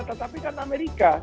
tetapi kan amerika